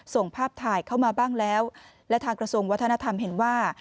ส่งภาพถ่ายเข้ามาบ้างแล้วและทางกระทรวงวัฒนธรรมเห็นว่า